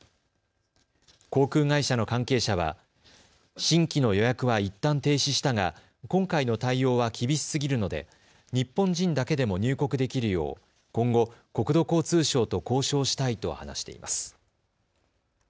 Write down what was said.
航空会社の関係者は新規の予約はいったん停止したが今回の対応は厳しすぎるので日本人だけでも入国できるよう今後、国土交通省と交渉したいと話しています。